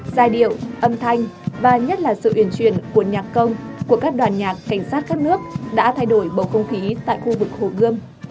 giai điệu âm thanh và nhất là sự uyển truyền của nhạc công của các đoàn nhạc cảnh sát các nước đã thay đổi bầu không khí tại khu vực hồ gươm